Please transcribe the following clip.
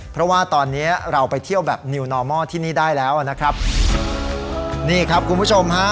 เพราะว่าตอนเนี้ยเราไปเที่ยวแบบนิวนอร์มอลที่นี่ได้แล้วนะครับนี่ครับคุณผู้ชมฮะ